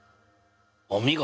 お見事！